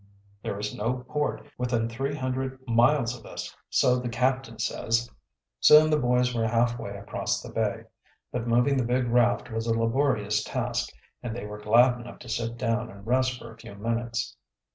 "There is no port' within three hundred miles of us, so the captain says." Soon the boys were halfway across the bay. But moving the big raft was a laborious task, and they were glad enough to sit down and rest for a few minutes.